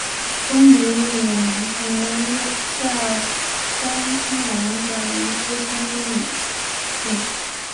孙女诵琴嫁端亲王载漪之孙毓运。